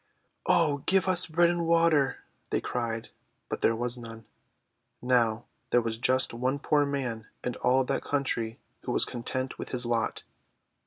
"Oh, give us bread and water!'1 they cried. But there was none. Now, there was just one poor man in all that country who was content with his lot.